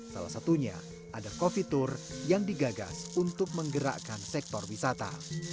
salah satunya ada coffee tour yang digagas untuk menggerakkan sektor wisata